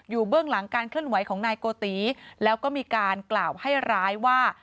เบื้องหลังการเคลื่อนไหวของนายโกติแล้วก็มีการกล่าวให้ร้ายว่า